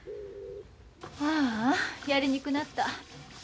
ああやりにくなった。